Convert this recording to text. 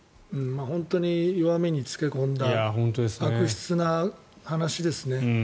本当に、弱みに付け込んだ悪質な話ですね。